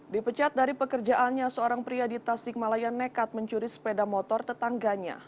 dipecat dari pekerjaannya seorang pria di tasikmalaya nekat mencuri sepeda motor tetangganya